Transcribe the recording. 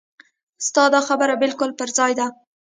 ستا دا خبره بالکل پر ځای ده.